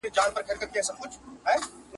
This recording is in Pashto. ښه په پښه نه پيداکېږي.